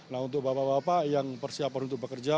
nah untuk bapak bapak yang persiapan untuk bekerja